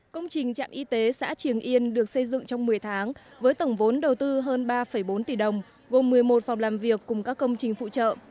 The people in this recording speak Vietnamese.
công trình trạm y tế xã triềng yên được xây dựng trong một mươi tháng với tổng vốn đầu tư hơn ba bốn tỷ đồng gồm một mươi một phòng làm việc cùng các công trình phụ trợ